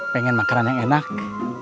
pengen makanan yang enak